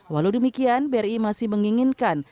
walau demikian bri masih menginginkan